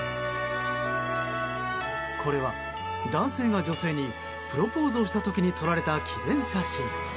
これは、男性が女性にプロポーズをした時に撮られた記念写真。